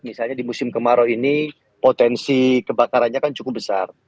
misalnya di musim kemarau ini potensi kebakarannya kan cukup besar